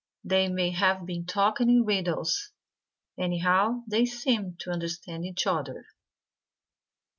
They may have been talking in riddles. Anyhow, they seemed to understand each other.